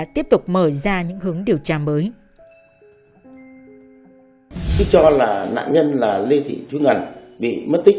tiếp tục mở ra những hướng điều tra mới